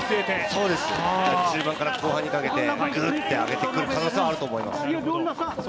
そうです、中盤から後半にかけて、ぐっと上げてくる可能性はあります。